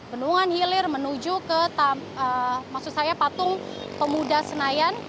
benungan hilir menuju ke patung pemuda senayan